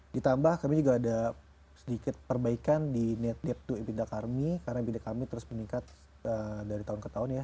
ditambah kami juga ada sedikit perbaikan di net netwo ibida kami karena ebida kami terus meningkat dari tahun ke tahun ya